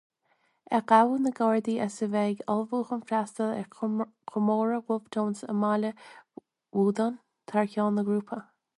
A ghabh na Gardaí as a bheith ag ullmhú chun freastal ar chomóradh Wolfe Tone i mBaile Bhuadain thar ceann an ghrúpa.